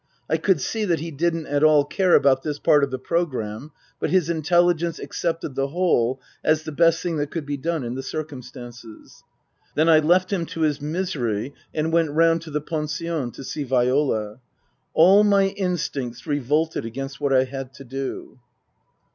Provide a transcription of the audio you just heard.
I could see that he didn't at all care about this part of the programme, but his intelligence accepted the whole as the best thing that could be done in the circumstances. Then I left him to his misery and went round to the pension to see Viola. All my instincts revolted against what I had to do.